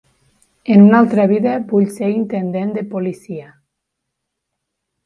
En una altra vida vull ser intendent de policia.